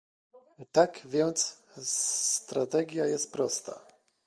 Tak więc strategia jest prosta